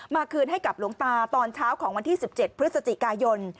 คืนให้กับหลวงตาตอนเช้าของวันที่๑๗พฤศจิกายน